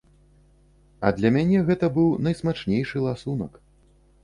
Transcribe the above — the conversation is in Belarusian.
А для мяне гэта быў найсмачнейшы ласунак.